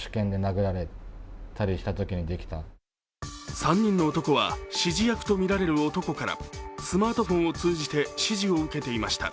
３人の男は指示役とみられる男からスマートフォンを通じて指示を受けていました。